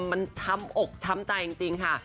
มันช้ำอกช้ำใจจริงค่ะ